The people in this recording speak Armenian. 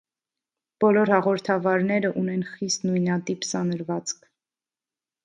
Բոլոր հաղորդավարները ունեն խիստ նույնատիպ սանրվացք։